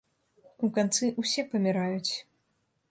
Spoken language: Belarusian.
У канцы ўсе паміраюць.